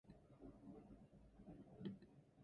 This type is now called "black basalt" or "basalt ware".